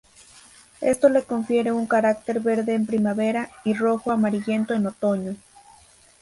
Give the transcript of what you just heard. Esto le confiere un carácter verde en primavera y rojo-amarillento en otoño.